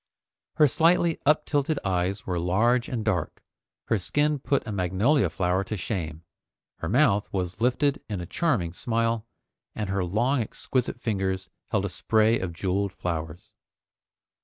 Her slightly uptilted eyes were large and dark, her skin put a magnolia flower to shame, her mouth was lifted in a charming smile, and her long exquisite fingers held a spray of jeweled flowers.